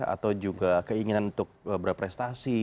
atau juga keinginan untuk berprestasi